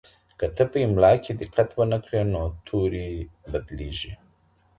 که ته په املا کي دقت ونه کړې نو توري بدلیږي.